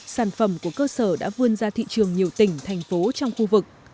sản phẩm của cơ sở đã vươn ra thị trường nhiều tỉnh thành phố trong khu vực